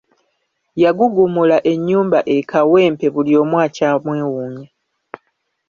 Yagugumula ennyumba e Kawempe buli omu akyamwewuunya.